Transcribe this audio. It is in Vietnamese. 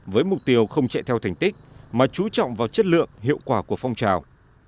với mục tiêu không chạy theo thành tích mà chú trọng vào chất lượng hiệu quả của phong trào